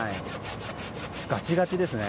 ガチガチですね。